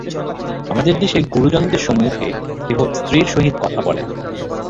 আমাদের দেশে গুরুজনদের সম্মুখে কেহ স্ত্রীর সহিত কথা বলে না।